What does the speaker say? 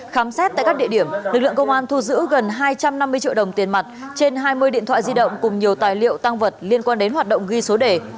khám xét tại các địa điểm lực lượng công an thu giữ gần hai trăm năm mươi triệu đồng tiền mặt trên hai mươi điện thoại di động cùng nhiều tài liệu tăng vật liên quan đến hoạt động ghi số đề